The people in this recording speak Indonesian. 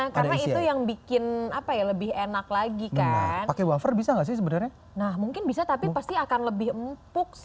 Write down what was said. karena itu yang bikin apa ya lebih enak lagi kan pakai wafer bisa gak sih sebenarnya nah mungkin bisa tapi pasti akan lebih empuk sih